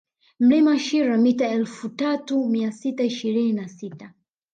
Mlima Shira mita elfu tatu mia sita ishirini na sita